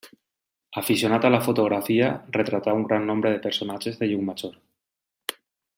Afeccionat a la fotografia, retratà un gran nombre de personatges de Llucmajor.